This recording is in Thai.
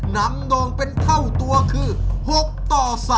นำโน่งเป็นเท่าตัวคือ๖ต่อ๓